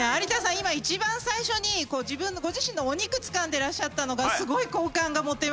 今一番最初にご自身のお肉つかんでらっしゃったのがすごい好感が持てました。